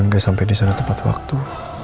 gak sampai disana tepat waktu